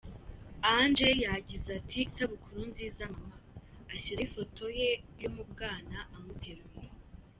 Ange yagize ati “Isabukuru nziza mama” ashyiraho ifoto ye yo mu bwana amuteruye.